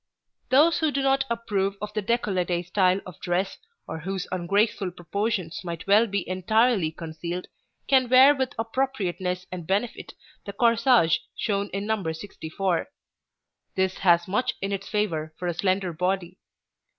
64] Those who do not approve of the décolleté style of dress, or whose ungraceful proportions might well be entirely concealed, can wear with appropriateness and benefit the corsage shown in No. 64. This has much in its favor for a slender body.